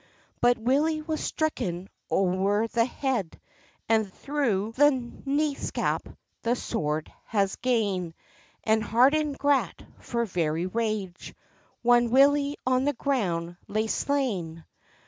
But Willie was stricken ower the head, And through the knapscap the sword has gane; And Harden grat for very rage, Whan Willie on the ground lay slain.